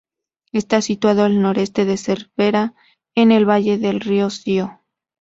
Está situado al noreste de Cervera, en el valle del río Sió.